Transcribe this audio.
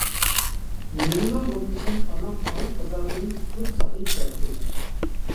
نېمىلا بولمىسۇن ئانام ئاغرىق ئازابىدىن قۇتۇلۇپ ساقىيىپ كەتتى.